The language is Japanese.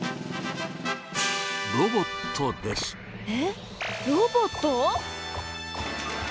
えロボット。